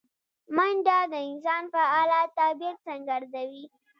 منډه د انسان فعاله طبیعت څرګندوي